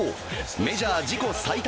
メジャー自己最多